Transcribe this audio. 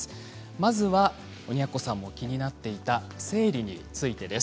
まずは鬼奴さんも気になっていた生理についてです。